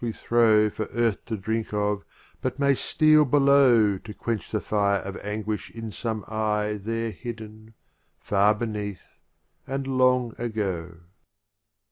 r we throw n For Earth to drink of, but may steal below To quench the fire of Anguish in some Eye There hidden — far beneath, and long ago.